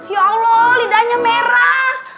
ya allah lidahnya merah